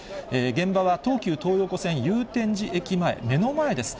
現場は東急東横線祐天寺駅前、目の前です。